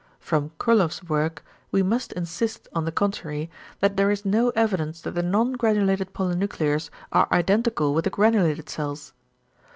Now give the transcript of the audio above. From Kurloff's work (see p. 85) we must insist, on the contrary, that there is no evidence that the non granulated polynuclears are identical with the granulated cells.